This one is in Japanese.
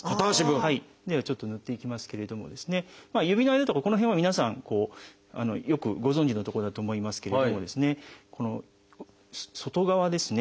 ではちょっとぬっていきますけれども指の間とかこの辺は皆さんよくご存じの所だと思いますけれどもこの外側ですね。